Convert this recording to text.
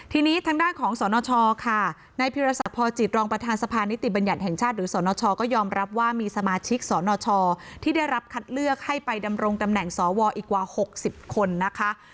ทีนี้ทางด้านของสนชค่ะนายพิรษักพอจิตรองประธานสภานิติบัญญัติแห่งชาติหรือสนชก็ยอมรับว่ามีสมาชิกสนชที่ได้รับคัดเลือกให้ไปดำรงตำแหน่งสวอีกกว่า๖๐คนนะคะ